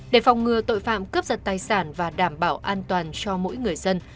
để phòng ngừa tội phạm cướp giật tài sản và đảm bảo an toàn cho mỗi người dân